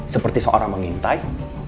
seperti seorang mengintai